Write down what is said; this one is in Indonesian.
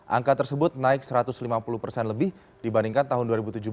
angka tersebut naik satu ratus lima puluh persen lebih dibandingkan tahun dua ribu tujuh belas